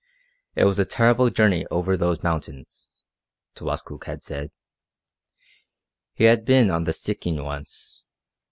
It was a terrible journey over those mountains, Towaskook had said. He had been on the Stikine once.